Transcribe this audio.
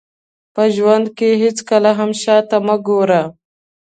په ژوند کې هېڅکله هم شاته مه ګورئ.